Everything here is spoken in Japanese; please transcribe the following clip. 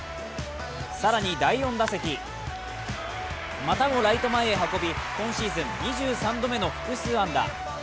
更に第４打席、またもライト前へ運び今シーズン２３度目の複数安打。